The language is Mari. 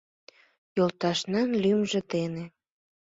Йолташнан лӱмжӧ дене.